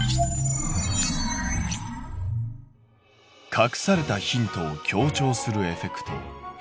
隠されたヒントを強調するエフェクト。